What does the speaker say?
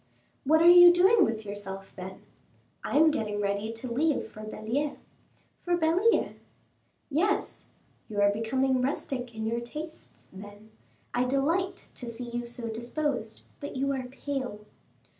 "What are you doing with yourself, then?" "I am getting ready to leave for Belliere." "For Belliere?" "Yes." "You are becoming rustic in your tastes, then; I delight to see you so disposed. But you are pale."